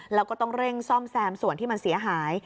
แล้วก็ต้องเร่งซ่อมแซมส่วนที่มันเสียหาย